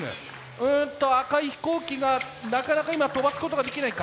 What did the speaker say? うんと赤い飛行機がなかなか今飛ばすことができないか。